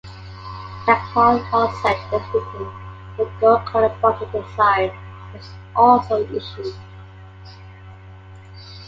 A cloth lozenge depicting the gold colored button design was also issued.